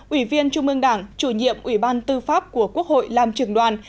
ủy viên trung mương đảng chủ nhiệm ủy ban tư pháp của quốc hội làm trường đoàn